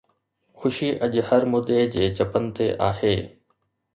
خوشي اڄ هر مدعي جي چپن تي آهي